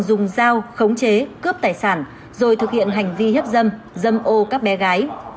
dùng dao khống chế cướp tài sản rồi thực hiện hành vi hiếp dâm dâm ô các bé gái